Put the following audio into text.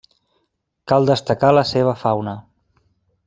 Cal destacar la seva fauna.